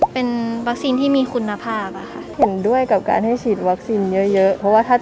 เป็นบั๊กซี้มที่มีคุณภาพแผ่นเต้นด้วยกับการให้ฉีดวัสดีเยอะเพราะว่า